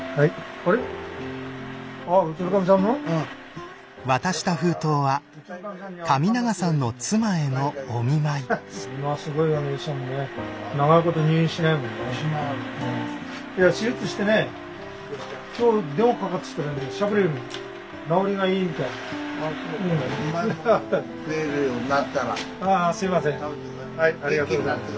ありがとうございます。